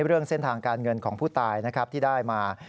เรื่องเส้นทางการเงินของผู้ตายนะครับที่ได้มา